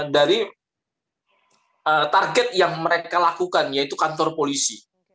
dari target yang mereka lakukan yaitu kantor polisi